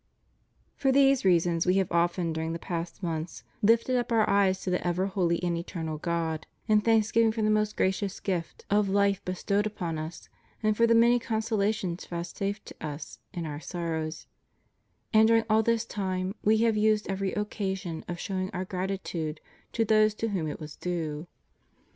For these reasons We have often during the past months lifted up Our eyes to the ever holy and eternal God, in thanksgiving for the most gracious gift of life bestowed 164 THE RIGHT ORDERING OF CHRISTIAN LIFE. 165 upon Us, and for the many consolations vouchsafed to Us in Our sorrows; and during all this time We have used every occasion of showing Our gratitude to those to whom it was due.